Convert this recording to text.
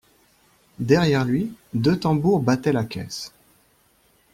Derrière lui, deux tambours battaient la caisse.